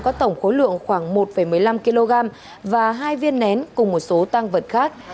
có tổng khối lượng khoảng một một mươi năm kg và hai viên nén cùng một số tăng vật khác